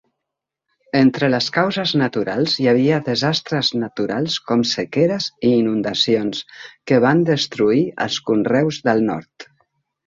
Entre les causes naturals hi havia desastres naturals com sequeres i inundacions que van destruir els conreus del nord.